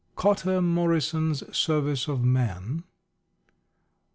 _ Cotter Morrison's _Service of Man.